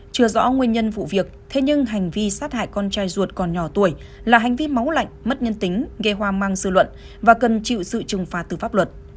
chưa rõ nguyên nhân vụ việc thế nhưng hành vi sát hại con trai ruột còn nhỏ tuổi là hành vi máu lạnh mất nhân tính gây hoang mang sự luận và cần chịu sự trừng phạt từ pháp luật